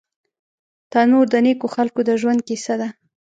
تنور د نیکو خلکو د ژوند کیسه ده